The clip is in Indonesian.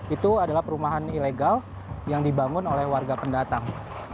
itu adalah perumahan ilegal yang dibangun oleh warga pendatang